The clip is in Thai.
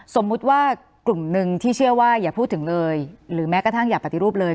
สมมุติว่ากลุ่มหนึ่งที่เชื่อว่าอย่าพูดถึงเลยหรือแม้กระทั่งอย่าปฏิรูปเลย